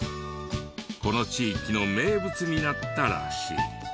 この地域の名物になったらしい。